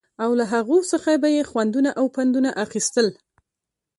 او له هغو څخه به يې خوندونه او پندونه اخيستل